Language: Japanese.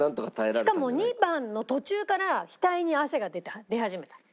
しかも２番の途中から額に汗が出始めた。